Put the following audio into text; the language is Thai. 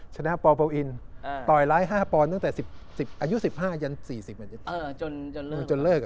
ชนะปโปรอินต์ต่อยร้าย๕ปอนตั้งแต่อายุ๑๕จนเลิก